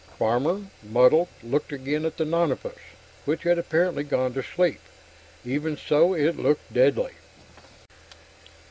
Farmer, muddled, looked again at the nonapus, which had apparently gone to sleep. Even so, it looked deadly.